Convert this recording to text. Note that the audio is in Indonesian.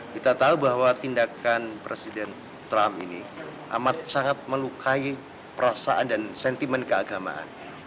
kita tahu bahwa tindakan presiden trump ini amat sangat melukai perasaan dan sentimen keagamaan